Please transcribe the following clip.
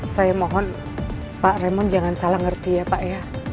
saya mohon pak remon jangan salah ngerti ya pak ya